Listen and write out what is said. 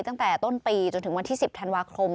ตั้งแต่ต้นปีจนถึงวันที่๑๐ธันวาคม